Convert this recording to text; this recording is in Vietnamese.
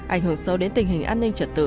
ảnh hưởng sâu đến tình hình an ninh trật tự